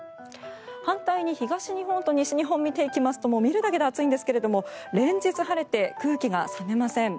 反対に東日本と西日本を見ていきますと見るだけで暑いんですけども連日、晴れて空気が冷めません。